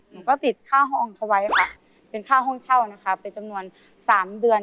หนูก็ติดค่าห้องเขาไว้ค่ะเป็นค่าห้องเช่านะคะเป็นจำนวนสามเดือน